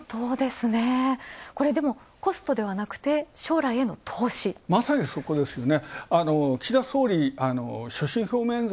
これはコストではなくて将来への投資、まさに、そこですよね。